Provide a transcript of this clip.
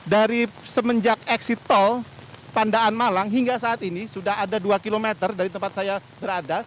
dari semenjak eksit tol pandaan malang hingga saat ini sudah ada dua km dari tempat saya berada